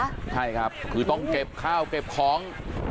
ใช่ครับคือต้องเก็บข้าวเก็บของ